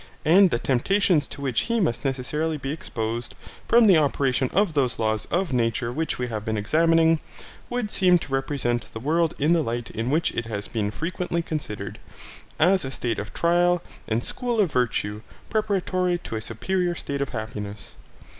And the temptations to which he must necessarily be exposed, from the operation of those laws of nature which we have been examining, would seem to represent the world in the light in which it has been frequently considered, as a state of trial and school of virtue preparatory to a superior state of happiness.